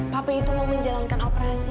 pape itu mau menjalankan operasi